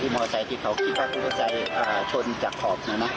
ที่มอเตอร์ไซต์ที่เขาคิดว่ามอเตอร์ไซต์ชนจากขอบเนี่ยนะ